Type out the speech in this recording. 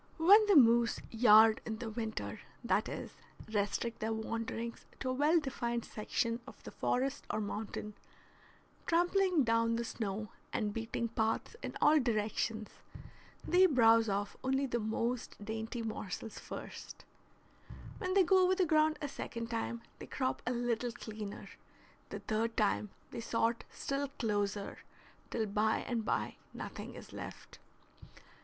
When the moose yard in the winter, that is, restrict their wanderings to a well defined section of the forest or mountain, trampling down the snow and beating paths in all directions, they browse off only the most dainty morsels first; when they go over the ground a second time they crop a little cleaner; the third time they sort still closer, till by and by nothing is left.